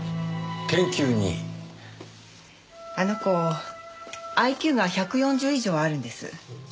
あの子ＩＱが１４０以上あるんです。